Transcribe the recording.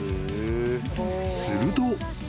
［すると］